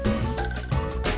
supaya kita imbasasi kor